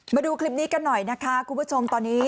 มาดูคลิปนี้กันหน่อยนะคะคุณผู้ชมตอนนี้